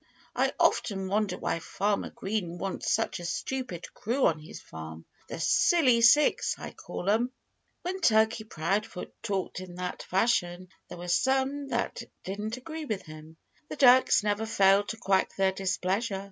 I often wonder why Farmer Green wants such a stupid crew on his farm. The Silly Six, I call 'em!" When Turkey Proudfoot talked in that fashion there were some that didn't agree with him. The ducks never failed to quack their displeasure.